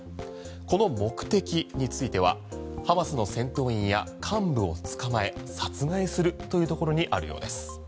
この目的についてはハマスの戦闘員や幹部を捕まえ殺害するというところにあるようです。